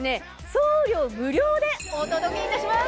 送料無料でお届けいたします。